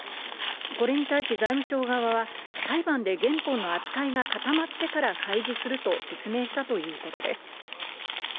これに対し財務省側は、裁判で原本の扱いが固まってから開示すると説明したということです。